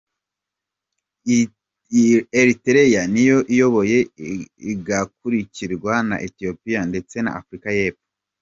Eriterea niyo iyoboye igakurikirwa na Ethiopia ndetse na Afurika y' Epfo.